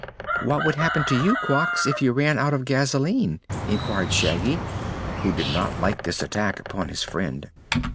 "What would happen to you, Quox, if you ran out of gasoline?" inquired Shaggy, who did not like this attack upon his friend.